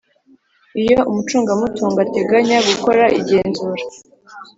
Iyo Umucungamutungo ateganya gukora igenzura